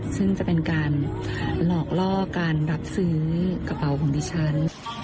ซึ่งจะเป็นการหลอกล่อการรับซื้อกระเป๋าของดิฉัน